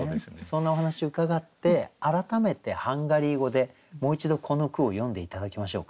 そんなお話伺って改めてハンガリー語でもう一度この句を読んで頂きましょう。